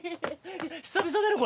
久々だろ？